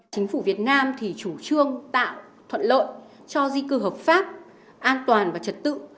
chính phủ việt nam thì chủ trương tạo thuận lợi cho di cư hợp pháp an toàn và trật tự